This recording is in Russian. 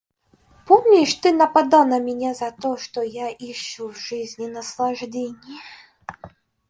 Помнишь, ты нападал на меня за то, что я ищу в жизни наслаждений?